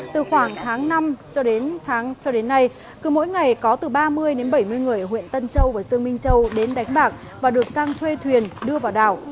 từ khoảng tháng năm cho đến tháng cho đến nay cứ mỗi ngày có từ ba mươi đến bảy mươi người ở huyện tân châu và dương minh châu đến đánh bạc và được giang thuê thuyền đưa vào đảo